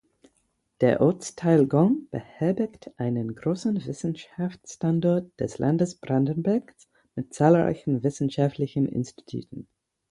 Der Ortsteil Golm beherbergt einen großen Wissenschaftsstandort des Landes Brandenburgs mit zahlreichen wissenschaftlichen Instituten.